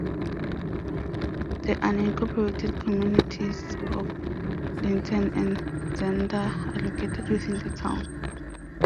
The unincorporated communities of Linton and Zenda are located within the town.